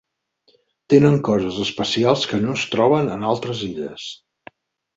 Tenen coses especials que no es troben en altres illes.